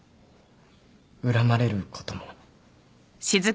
恨まれることも。